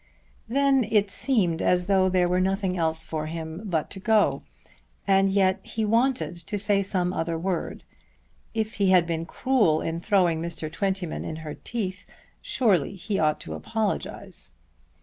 Then it seemed as though there were nothing else for him but to go; and yet he wanted to say some other word. If he had been cruel in throwing Mr. Twentyman in her teeth, surely he ought to apologize.